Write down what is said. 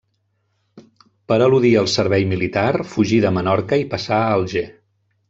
Per eludir el servei militar, fugí de Menorca i passà a Alger.